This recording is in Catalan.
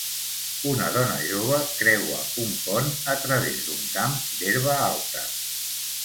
Una dona jove creua un pont a través d'un camp d'herba alta.